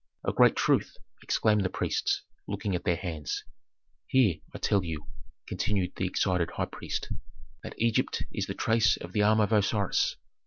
"A great truth!" exclaimed the priests, looking at their hands. "Here, I tell you," continued the excited high priest, "that Egypt is the trace of the arm of Osiris.